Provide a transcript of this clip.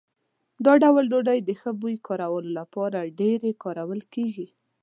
دا ډول ډوډۍ د ښه بوی ورکولو لپاره ډېرې کارول کېږي.